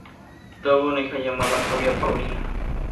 Tuvo una hija llamada Fabia Paulina.